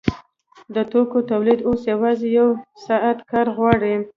د توکو تولید اوس یوازې یو ساعت کار غواړي